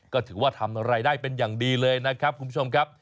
ก็ถือว่าทำรายได้เป็นอย่างดีเลยนะครับคุณผู้ชมครับ